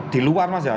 diluar mas ya